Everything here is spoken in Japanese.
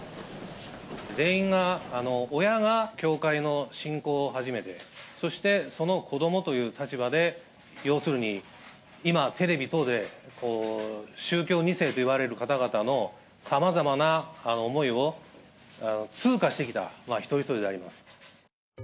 全員が、親が教会の信仰を始めて、そしてその子どもという立場で、要するに今、テレビ等で宗教２世といわれる方々の、さまざまな思いを通過してきた一人一人であります。